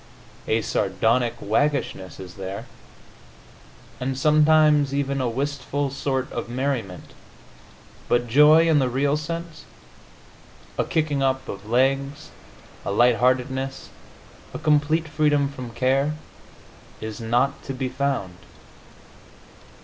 A sardonic waggishness is there, and sometimes even a wistful sort of merriment, but joy in the real sense a kicking up of legs, a light heartedness, a complete freedom from care is not to be found.